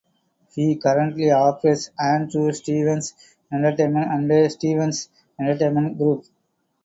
He currently operates Andrew Stevens Entertainment and Stevens Entertainment Group.